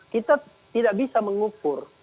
kita tidak bisa mengukur